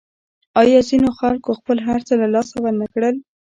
آیا ځینو خلکو خپل هرڅه له لاسه ورنکړل؟